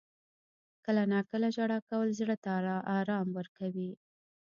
• کله ناکله ژړا کول زړه ته آرام ورکوي.